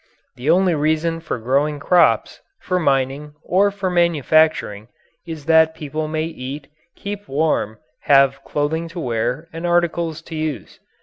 The only reason for growing crops, for mining, or for manufacturing, is that people may eat, keep warm, have clothing to wear, and articles to use.